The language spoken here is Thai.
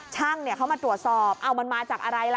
ช่างเขามาตรวจสอบเอามันมาจากอะไรล่ะ